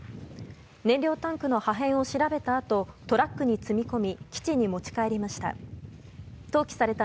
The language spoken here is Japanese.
燃料タンクの破片を調べたあとトラックに積み込み基地に持ち帰りました。